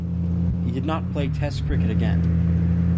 He did not play Test cricket again.